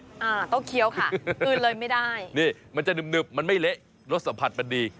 อ่าต้องเคี้ยวค่ะคืนเลยไม่ได้นี่มันจะหึบมันไม่เละรสสัมผัสมันดี